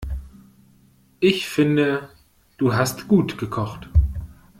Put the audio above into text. Ich finde du hast gut gekocht.